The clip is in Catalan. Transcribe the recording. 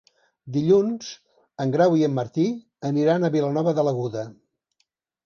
Dilluns en Grau i en Martí aniran a Vilanova de l'Aguda.